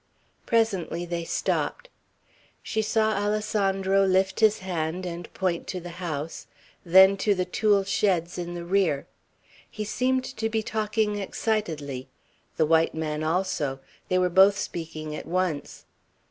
Presently they stopped. She saw Alessandro lift his hand and point to the house, then to the tule sheds in the rear. He seemed to be talking excitedly; the white man also; they were both speaking at once.